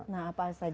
nah apa saja tuhan